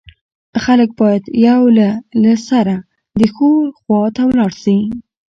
خلک بايد يو له له سره د ښو خوا ته ولاړ سي